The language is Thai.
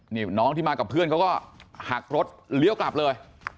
นี่น้องที่มากับเพื่อนเขาก็หักรถเลี้ยวกลับเลย